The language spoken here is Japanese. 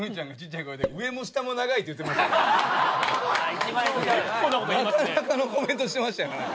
・一番ひどい・なかなかのコメントしてましたよね。